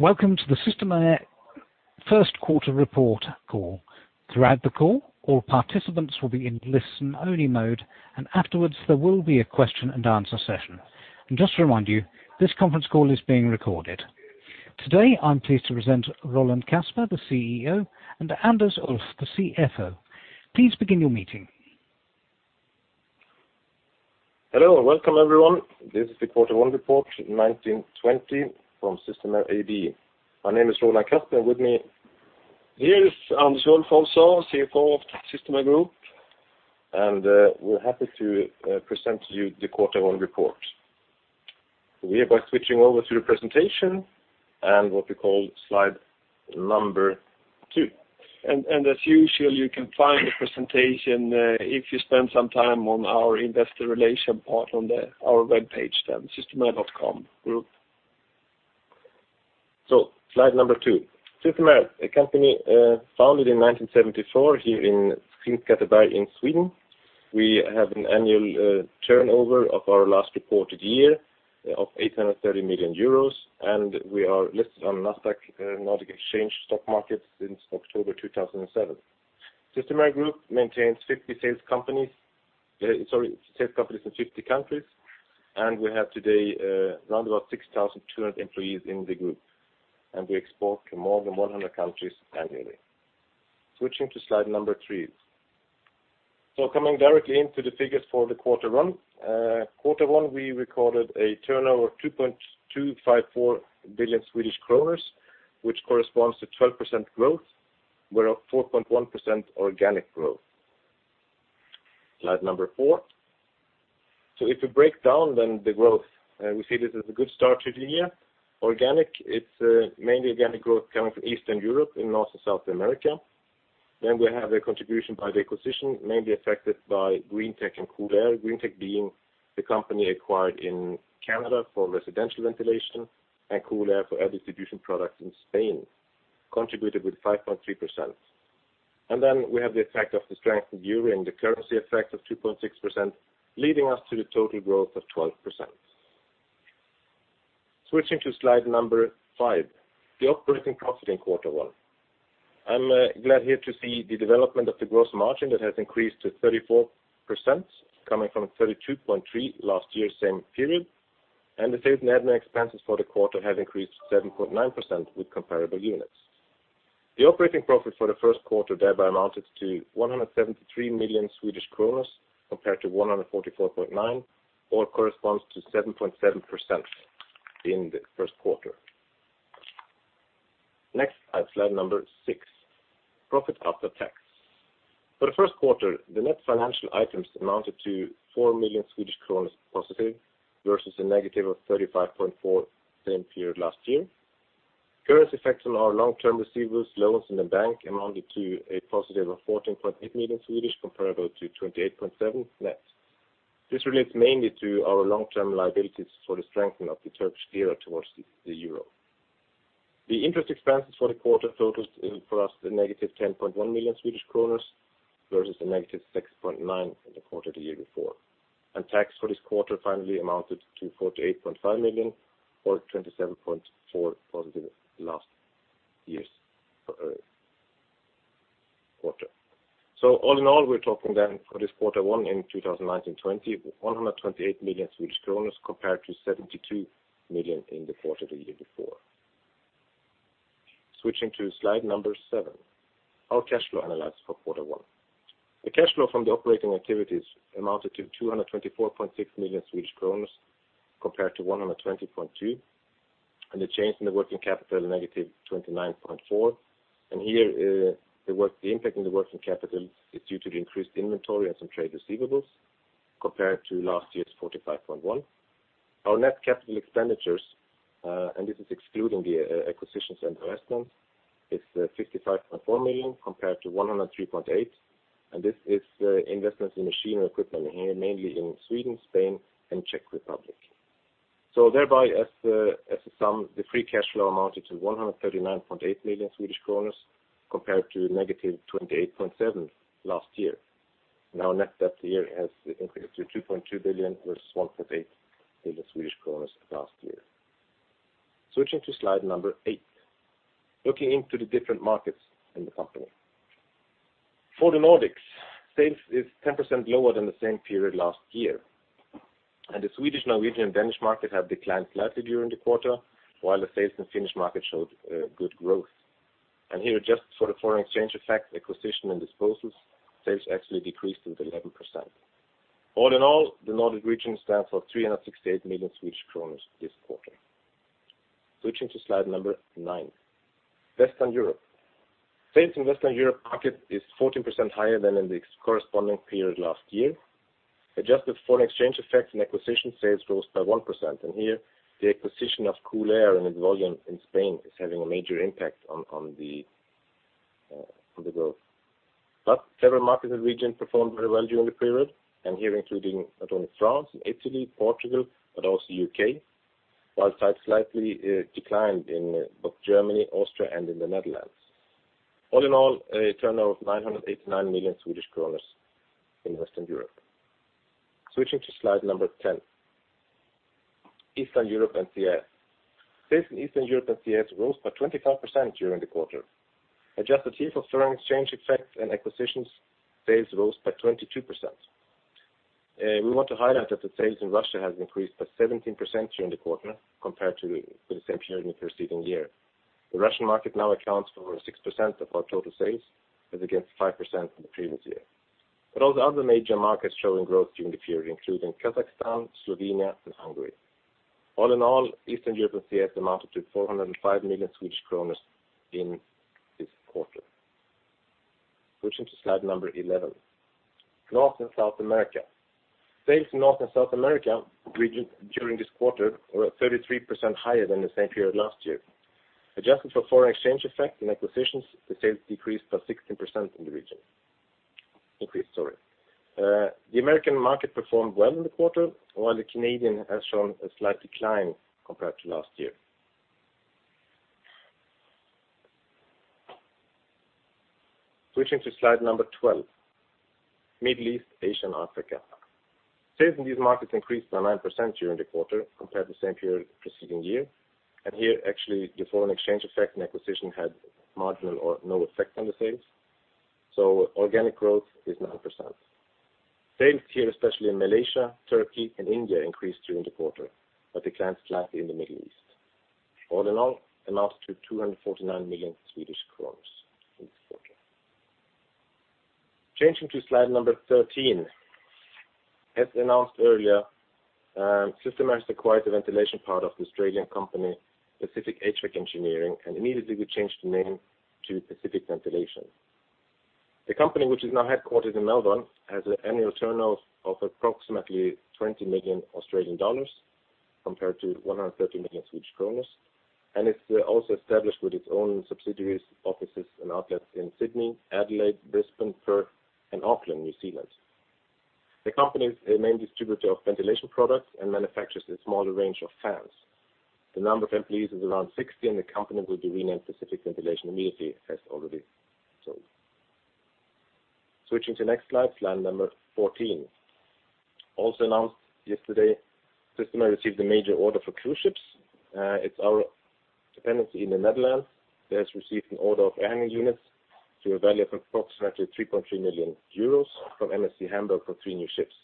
Welcome to the Systemair First Quarter Report call. Throughout the call, all participants will be in listen-only mode, and afterwards there will be a question-and-answer session. Just to remind you, this conference call is being recorded. Today I'm pleased to present Roland Kasper, the CEO, and Anders Ulff, the CFO. Please begin your meeting. Hello. Welcome, everyone. This is the quarter one Report, 2019/2020, from Systemair AB. My name is Roland Kasper. With me here is Anders Ulff also, CFO of Systemair Group, and we're happy to present to you the quarter one Report. We are by switching over to the presentation and what we call slide number two. As usual, you can find the presentation if you spend some time on our investor relations part on our webpage there, systemair.com/group. So slide number two. Systemair, a company founded in 1974 here in Skinnskatteberg in Sweden. We have an annual turnover of our last reported year of 830 million euros, and we are listed on Nasdaq Stockholm since October 2007. Systemair Group maintains 50 sales companies in 50 countries, and we have today around about 6,200 employees in the group. We export to more than 100 countries annually. Switching to slide three. Coming directly into the figures for quarter one. quarter one, we recorded a turnover of 2.254 billion Swedish kronor, which corresponds to 12% growth, where 4.1% organic growth. Slide four. If we break down then the growth, we see this is a good start to the year. Organic, it's mainly organic growth coming from Eastern Europe and North America and South America. Then we have a contribution by the acquisition, mainly affected by Greentek and Koolair, Greentek being the company acquired in Canada for residential ventilation and Koolair for air distribution products in Spain, contributed with 5.3%. And then we have the effect of the strengthened euro and the currency effect of 2.6%, leading us to the total growth of 12%. Switching to slide five. The operating profit in quarter one. I'm glad here to see the development of the gross margin that has increased to 34%, coming from 32.3% last year, same period. The sales and admin expenses for the quarter have increased 7.9% with comparable units. The operating profit for the first quarter thereby amounted to 173 million compared to 144.9 million, or corresponds to 7.7% in the first quarter. Next, slide six. Profit after tax. For the first quarter, the net financial items amounted to 4 million Swedish kronor positive versus a negative of 35.4 million, same period last year. Currency effects on our long-term receivables, loans in the bank, amounted to a positive of 14.8 million, comparable to 28.7 million net. This relates mainly to our long-term liabilities for the strengthening of the Turkish lira towards the euro. The interest expenses for the quarter totaled for us -10.1 million Swedish kronor versus -6.9 million in the quarter the year before. Tax for this quarter finally amounted to 48.5 million, or 27.4% positive last year's quarter. All in all, we're talking then for this quarter one in 2019-2020, 128 million Swedish kronor compared to 72 million in the quarter the year before. Switching to slide seven. Our cash flow analysis for quarter one. The cash flow from the operating activities amounted to 224.6 million Swedish kronor compared to 120.2 million, and the change in the working capital negative 29.4 million. And here the impact on the working capital is due to the increased inventory and some trade receivables compared to last year's 45.1 million. Our net capital expenditures, and this is excluding the acquisitions and investments, is 55.4 million compared to 103.8 million, and this is investments in machine and equipment, mainly in Sweden, Spain, and Czech Republic. So thereby, as a sum, the free cash flow amounted to 139.8 million Swedish kronor compared to negative 28.7% last year. Now, net debt the year has increased to 2.2 billion versus 1.8 billion Swedish kroners last year. Switching to slide eight. Looking into the different markets in the company. For the Nordics, sales is 10% lower than the same period last year. And the Swedish, Norwegian, and Danish market have declined slightly during the quarter, while the sales in the Finnish market showed good growth. And here, just for the foreign exchange effect, acquisition and disposals, sales actually decreased with 11%. All in all, the Nordic region stands for 368 million Swedish kronor this quarter. Switching to slide nine. Western Europe. Sales in the Western Europe market is 14% higher than in the corresponding period last year. Adjusted foreign exchange effects and acquisition sales rose by 1%. Here, the acquisition of Koolair and its volume in Spain is having a major impact on the growth. Several markets in the region performed very well during the period, and here including not only France, Italy, Portugal, but also UK, while sales slightly declined in both Germany, Austria, and in the Netherlands. All in all, a turnover of 989 million Swedish kronor in Western Europe. Switching to slide 10. Eastern Europe and CA. Sales in Eastern Europe and CA rose by 25% during the quarter. Adjusted here for foreign exchange effects and acquisitions, sales rose by 22%. We want to highlight that the sales in Russia have increased by 17% during the quarter compared to the same period in the preceding year. The Russian market now accounts for 6% of our total sales, as against 5% in the previous year. But all the other major markets showing growth during the period, including Kazakhstan, Slovenia, and Hungary. All in all, Eastern Europe and CA amounted to 405 million Swedish kronor in this quarter. Switching to slide number 11. North and South America. Sales in North and South America region during this quarter were 33% higher than the same period last year. Adjusted for foreign exchange effects and acquisitions, the sales decreased by 16% in the region. Increased, sorry. The American market performed well in the quarter, while the Canadian has shown a slight decline compared to last year. Switching to slide number 12. Middle East, Asia, and Africa. Sales in these markets increased by 9% during the quarter compared to the same period preceding year. And here, actually, the foreign exchange effect and acquisition had marginal or no effect on the sales. Organic growth is 9%. Sales here, especially in Malaysia, Turkey, and India, increased during the quarter but declined slightly in the Middle East. All in all, amounted to 249 million Swedish kronor in this quarter. Changing to slide number 13. As announced earlier, Systemair has acquired the ventilation part of the Australian company, Pacific HVAC Engineering, and immediately we changed the name to Pacific Ventilation. The company, which is now headquartered in Melbourne, has an annual turnover of approximately 20 million Australian dollars compared to 130 million, and it's also established with its own subsidiaries, offices, and outlets in Sydney, Adelaide, Brisbane, Perth, and Auckland, New Zealand. The company is a main distributor of ventilation products and manufactures a smaller range of fans. The number of employees is around 60, and the company will be renamed Pacific Ventilation immediately, as already told. Switching to next slide, slide number 14. Also announced yesterday, Systemair received a major order for cruise ships. It's our dependency in the Netherlands. They have received an order of air handling units to a value of approximately 3.3 million euros from MSC Cruises for three new ships.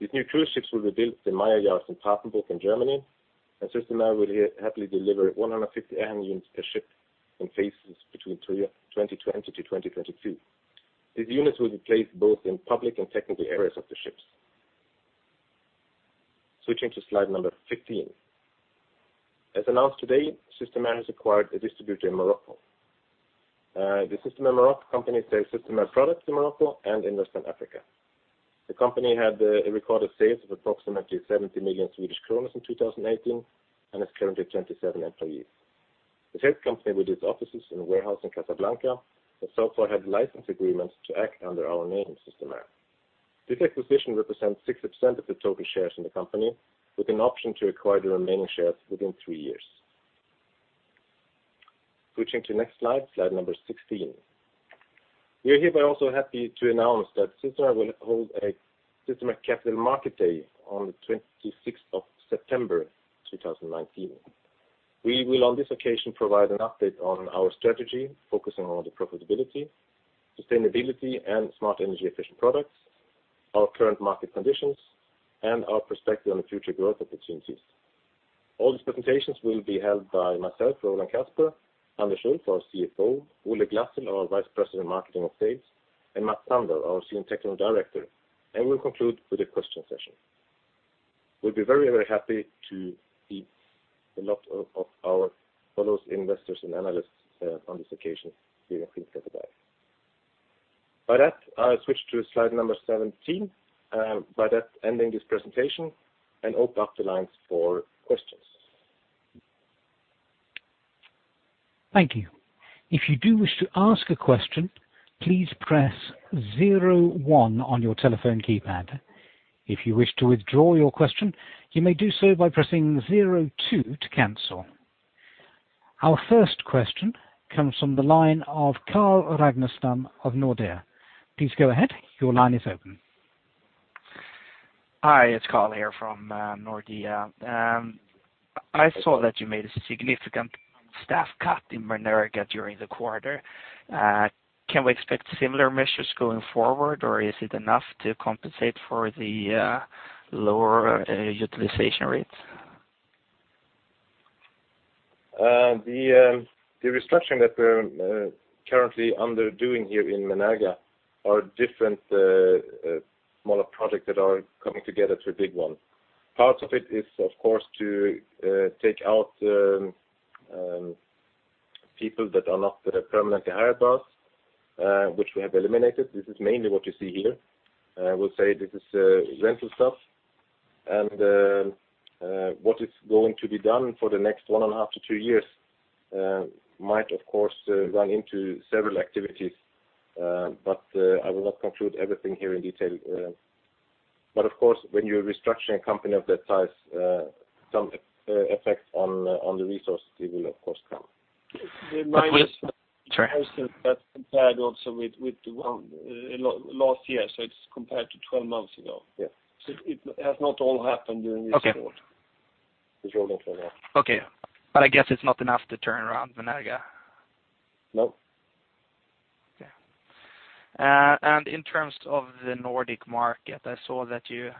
These new cruise ships will be built at the Meyer Werft in Papenburg in Germany, and Systemair will happily deliver 150 air handling units per ship in phases between 2020 to 2022. These units will be placed both in public and technical areas of the ships. Switching to slide number 15. As announced today, Systemair has acquired a distributor in Morocco. The Systemair Maroc company sells Systemair products in Morocco and in Western Africa. The company had a recorded sales of approximately 70 million Swedish kronor in 2018 and has currently 27 employees. The sales company with its offices and warehouse in Casablanca has so far had license agreements to act under our name, Systemair. This acquisition represents 6% of the total shares in the company, with an option to acquire the remaining shares within three years. Switching to next slide, slide number 16. We are hereby also happy to announce that Systemair will hold a Systemair Capital Market Day on the 26th of September, 2019. We will, on this occasion, provide an update on our strategy, focusing on the profitability, sustainability, and smart energy-efficient products, our current market conditions, and our perspective on the future growth opportunities. All these presentations will be held by myself, Roland Kasper; Anders Ulff, our CFO; Olle Glassel, our Vice President Marketing and Sales; and Mats Sandor, our Senior Technical Director. We'll conclude with a question session. We'll be very, very happy to see a lot of our fellow investors and analysts on this occasion here in Skinnskatteberg. By that, I switch to slide number 17. By that, ending this presentation and open up the lines for questions. Thank you. If you do wish to ask a question, please press zero one on your telephone keypad. If you wish to withdraw your question, you may do so by pressing zero two to cancel. Our first question comes from the line of Carl Ragnerstam of Nordea. Please go ahead. Your line is open. Hi. It's Carl here from Nordea. I saw that you made a significant staff cut in Menerga during the quarter. Can we expect similar measures going forward, or is it enough to compensate for the lower utilization rates? The restructuring that we're currently undertaking here in Menerga are different smaller projects that are coming together to a big one. Part of it is, of course, to take out people that are not permanently hired by us, which we have eliminated. This is mainly what you see here. I will say this is rental stuff. And what is going to be done for the next one and a half to two years might, of course, run into several activities, but I will not conclude everything here in detail. But, of course, when you're restructuring a company of that size, some effect on the resources, it will, of course, come. The mining. Sorry. That's compared also with last year, so it's compared to 12 months ago. So it has not all happened during this quarter. Okay. With rolling 12 months. Okay. But I guess it's not enough to turn around Menerga? Nope. Okay. And in terms of the Nordic market, I saw that you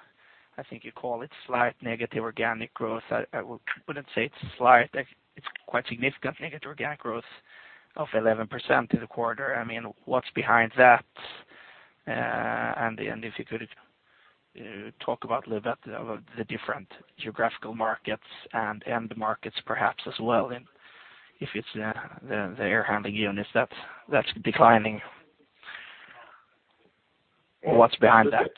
I think you call it slight negative organic growth. I wouldn't say it's slight. It's quite significant negative organic growth of 11% in the quarter. I mean, what's behind that? And if you could talk about a little bit of the different geographical markets and end markets, perhaps, as well, if it's the air handling units that's declining. What's behind that?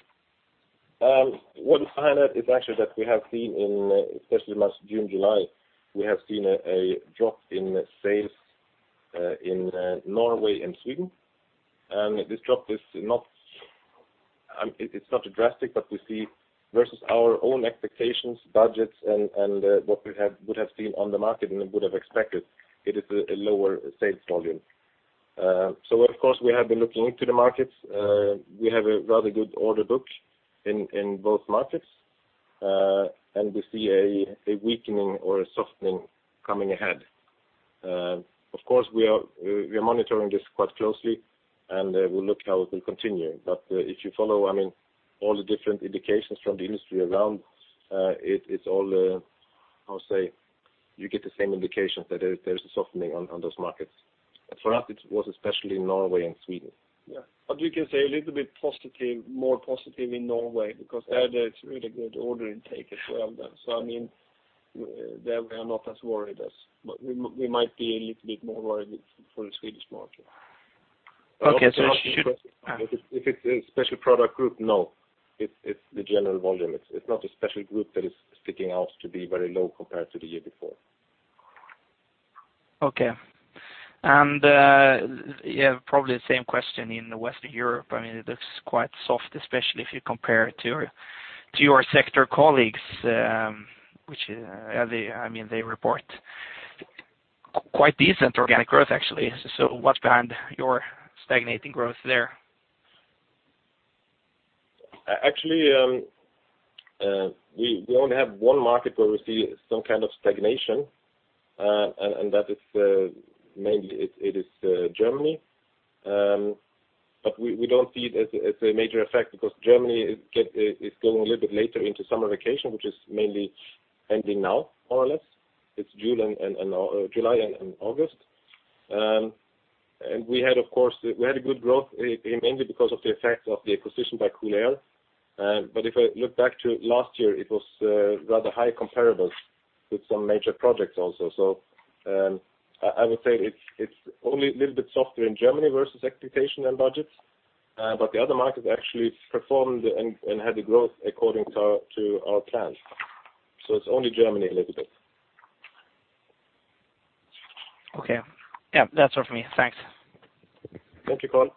What's behind that is actually that we have seen in especially last June, July, we have seen a drop in sales in Norway and Sweden. And this drop is not; it's not drastic, but we see versus our own expectations, budgets, and what we would have seen on the market and would have expected, it is a lower sales volume. So, of course, we have been looking into the markets. We have a rather good order book in both markets, and we see a weakening or a softening coming ahead. Of course, we are monitoring this quite closely, and we'll look how it will continue. But if you follow, I mean, all the different indications from the industry around, it's all how say? You get the same indications that there's a softening on those markets. But for us, it was especially Norway and Sweden. Yeah. But we can say a little bit more positive in Norway because there, there's really good order intake as well then. So, I mean, there we are not as worried as we might be a little bit more worried for the Swedish market. Okay. So should. If it's a special product group, no. It's the general volume. It's not a special group that is sticking out to be very low compared to the year before. Okay. And yeah, probably the same question in Western Europe. I mean, it looks quite soft, especially if you compare it to your sector colleagues, which I mean, they report quite decent organic growth, actually. So what's behind your stagnating growth there? Actually, we only have one market where we see some kind of stagnation, and that is mainly it is Germany. But we don't see it as a major effect because Germany is going a little bit later into summer vacation, which is mainly ending now, more or less. It's July and August. And we had, of course we had a good growth mainly because of the effects of the acquisition by Koolair. But if I look back to last year, it was rather high comparables with some major projects also. So I would say it's only a little bit softer in Germany versus expectation and budgets. But the other markets actually performed and had the growth according to our plans. So it's only Germany a little bit. Okay. Yeah. That's all from me. Thanks. Thank you, Carl.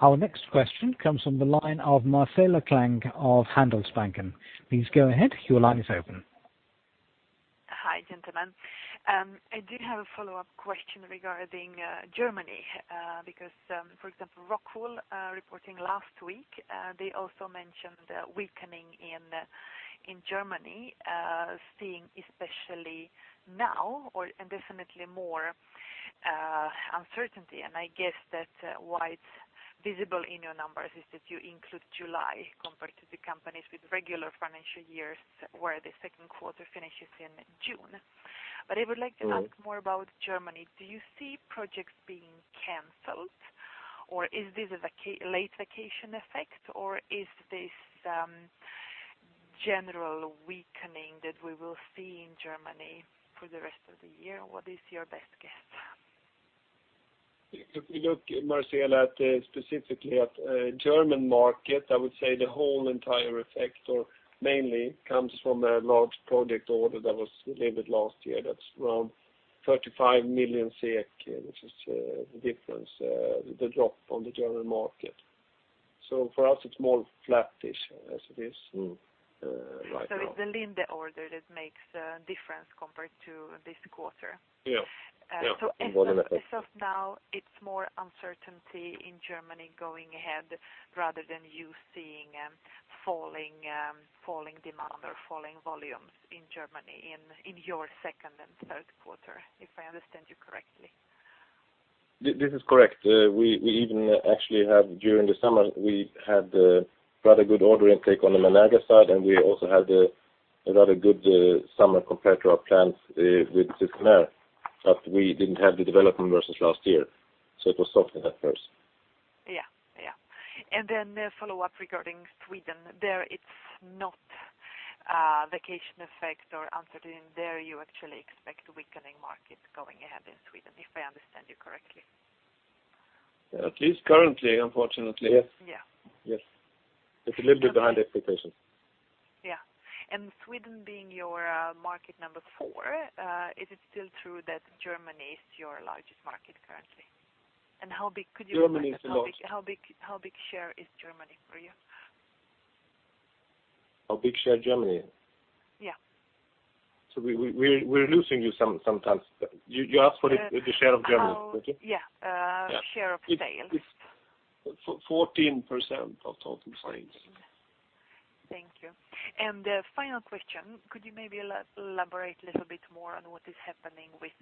Our next question comes from the line of Marcela Klang of Handelsbanken. Please go ahead. Your line is open. Hi, gentlemen. I do have a follow-up question regarding Germany because, for example, Rockwool reporting last week, they also mentioned weakening in Germany, seeing especially now and definitely more uncertainty. And I guess that's why it's visible in your numbers is that you include July compared to the companies with regular financial years where the second quarter finishes in June. But I would like to ask more about Germany. Do you see projects being canceled, or is this a late vacation effect, or is this general weakening that we will see in Germany for the rest of the year? What is your best guess? If we look, Marcela, specifically at the German market, I would say the whole entire effect mainly comes from a large project order that was delivered last year that's around 35 million SEK, which is the difference, the drop on the German market. So for us, it's more flatish as it is right now. It's the Linde order that makes a difference compared to this quarter? Yeah. Yeah. And one of the. So as of now, it's more uncertainty in Germany going ahead rather than you seeing falling demand or falling volumes in Germany in your second and third quarter, if I understand you correctly? This is correct. We even actually have during the summer, we had rather good order intake on the Menerga side, and we also had a rather good summer compared to our plans with Systemair. But we didn't have the development versus last year, so it was softened at first. Yeah. Yeah. And then follow-up regarding Sweden. There, it's not vacation effect or uncertainty. There, you actually expect weakening market going ahead in Sweden, if I understand you correctly? At least currently, unfortunately. Yes. Yeah. Yes. It's a little bit behind expectations. Yeah. Sweden being your market number four, is it still true that Germany is your largest market currently? How big could you say? Germany is a lot. How big share is Germany for you? How big share Germany? Yeah. So we're losing you sometimes. You asked for the share of Germany, did you? Yeah. Share of sales. It's 14% of total sales. 14. Thank you. And final question. Could you maybe elaborate a little bit more on what is happening with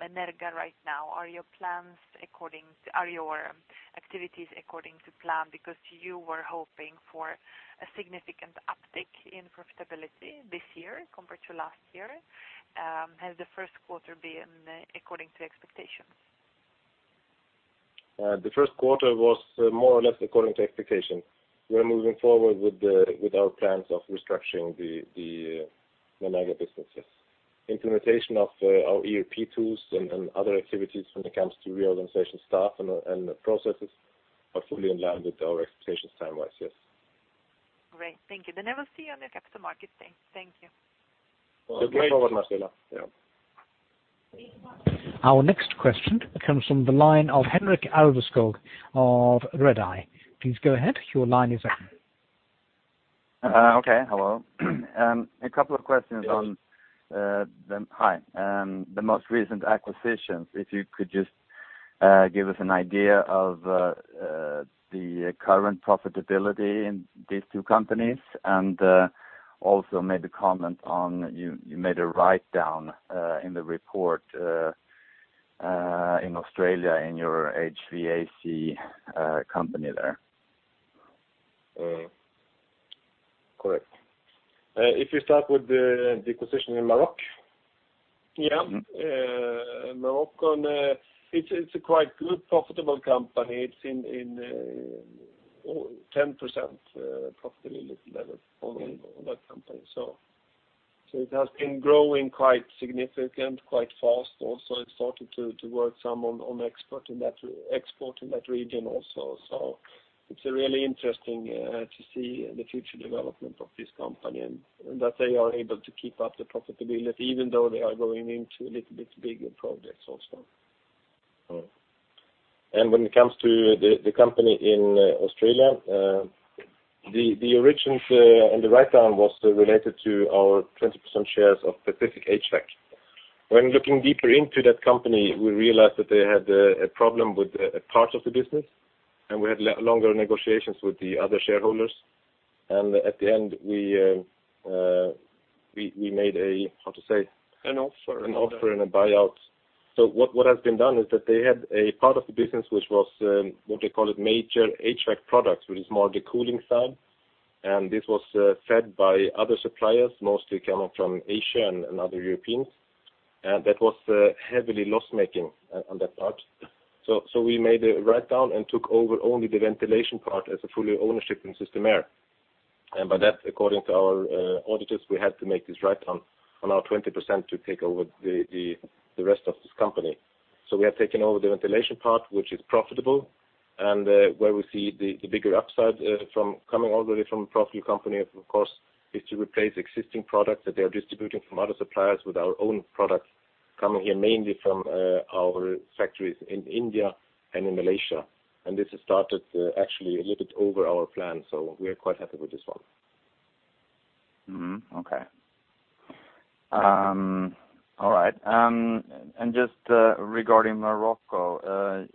Menerga right now? Are your plans according to are your activities according to plan because you were hoping for a significant uptick in profitability this year compared to last year? Has the first quarter been according to expectations? The first quarter was more or less according to expectations. We're moving forward with our plans of restructuring the Menerga businesses. Implementation of our ERP tools and other activities when it comes to reorganization staff and processes are fully in line with our expectations timewise, yes. Great. Thank you. I will see you on your Capital Market Day. Thank you. Looking forward, Marcela. Yeah. Our next question comes from the line of Henrik Alveskog of Redeye. Please go ahead. Your line is open. Okay. Hello. A couple of questions on the high. The most recent acquisitions, if you could just give us an idea of the current profitability in these two companies and also maybe comment on you made a write-down in the report in Australia in your HVAC company there. Correct. If you start with the acquisition in Morocco? Yeah. Morocco, it's a quite good profitable company. It's in 10% profitability level on that company, so. So it has been growing quite significant, quite fast also. It started to work some on export in that region also. So it's really interesting to see the future development of this company and that they are able to keep up the profitability even though they are going into a little bit bigger projects also. And when it comes to the company in Australia, the origin and the write-down was related to our 20% shares of Pacific HVAC. When looking deeper into that company, we realized that they had a problem with a part of the business, and we had longer negotiations with the other shareholders. And at the end, we made a how to say? An offer and a buyout. An offer and a buyout. So what has been done is that they had a part of the business which was what they call it major HVAC products, which is more the cooling side. And this was fed by other suppliers, mostly coming from Asia and other Europeans. And that was heavily loss-making on that part. So we made a write-down and took over only the ventilation part as a full ownership in Systemair. And by that, according to our auditors, we had to make this write-down on our 20% to take over the rest of this company. So we have taken over the ventilation part, which is profitable. Where we see the bigger upside coming already from a profitable company, of course, is to replace existing products that they are distributing from other suppliers with our own products coming here mainly from our factories in India and in Malaysia. This has started actually a little bit over our plan, so we are quite happy with this one. Okay. All right. And just regarding Morocco,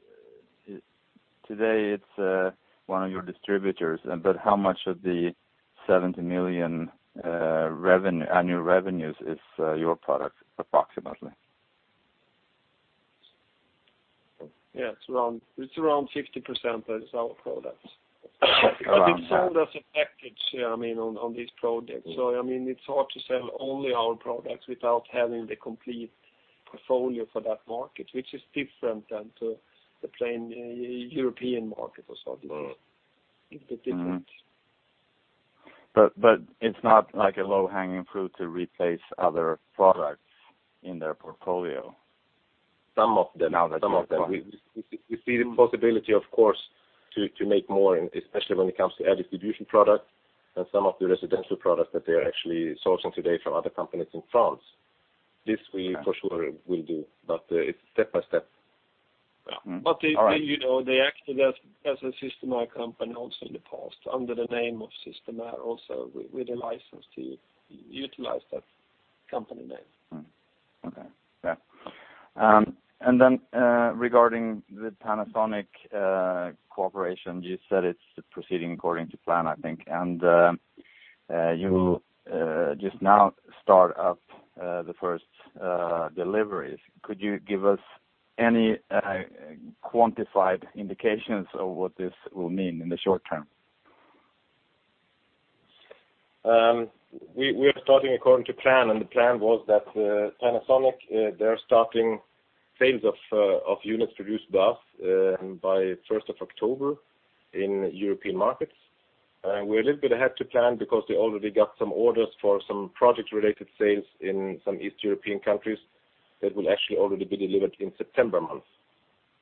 today, it's one of your distributors, but how much of the 70 million annual revenues is your product, approximately? Yeah. It's around 50% is our products. It's all that's affected, I mean, on these projects. So, I mean, it's hard to sell only our products without having the complete portfolio for that market, which is different than to the plain European market or so. This is a little bit different. It's not like a low-hanging fruit to replace other products in their portfolio? Some of them. Some of them. We see the possibility, of course, to make more, especially when it comes to air distribution products and some of the residential products that they are actually sourcing today from other companies in France. This, we for sure will do, but it's step by step. But they acted as a Systemair company also in the past under the name of Systemair also. We had a license to utilize that company name. Okay. Yeah. And then regarding the Panasonic cooperation, you said it's proceeding according to plan, I think, and you will just now start up the first deliveries. Could you give us any quantified indications of what this will mean in the short term? We are starting according to plan, and the plan was that Panasonic, they are starting sales of units produced by 1st of October in European markets. We're a little bit ahead of plan because they already got some orders for some project-related sales in some Eastern European countries that will actually already be delivered in September month.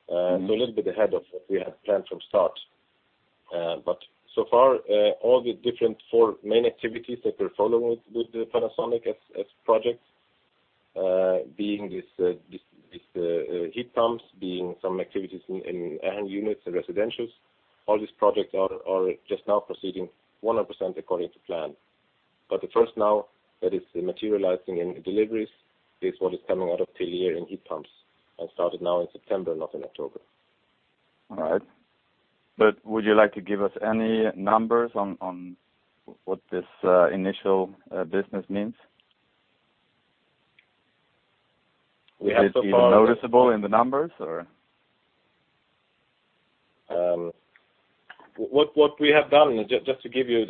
So a little bit ahead of what we had planned from start. But so far, all the different four main activities that we're following with Panasonic as projects, being these heat pumps, being some activities in air units and residentials, all these projects are just now proceeding 100% according to plan. But the first now that is materializing in deliveries is what is coming out of Tillières in heat pumps and started now in September, not in October. All right. But would you like to give us any numbers on what this initial business means? We have so. Is it even noticeable in the numbers, or? What we have done, just to give you,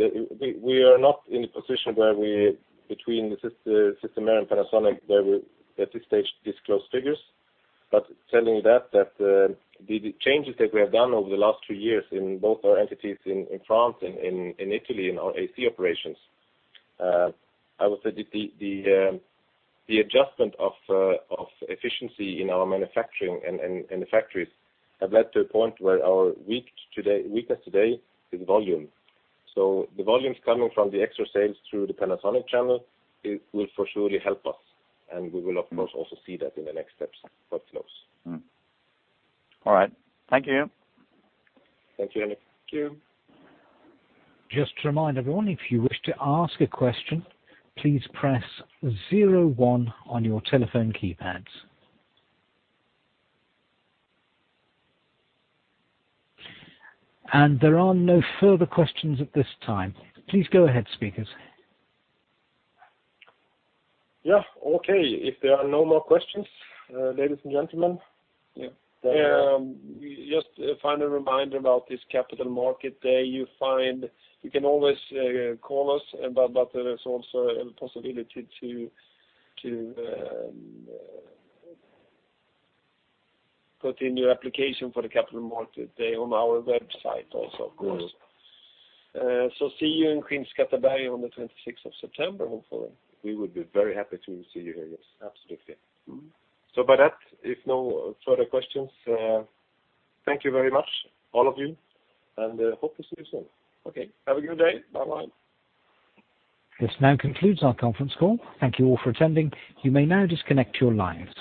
we are not in a position where we between Systemair and Panasonic, where we at this stage disclose figures. But telling you that, the changes that we have done over the last two years in both our entities in France and in Italy in our AC operations, I would say that the adjustment of efficiency in our manufacturing and the factories have led to a point where our weakness today is volume. So the volumes coming from the extra sales through the Panasonic channel will for sure help us, and we will, of course, also see that in the next steps what flows. All right. Thank you. Thank you, Henrik. Thank you. Just to remind everyone, if you wish to ask a question, please press 01 on your telephone keypads. There are no further questions at this time. Please go ahead, speakers. Yeah. Okay. If there are no more questions, ladies and gentlemen, then just a final reminder about this Capital Market Day. You can always call us, but there's also a possibility to put in your application for the Capital Market Day on our website also, of course. So see you in Skinnskatteberg on the 26th of September, hopefully. We would be very happy to see you here, yes. Absolutely. So by that, if no further questions, thank you very much, all of you, and hope to see you soon. Okay. Have a good day. Bye-bye. This now concludes our conference call. Thank you all for attending. You may now disconnect your lines.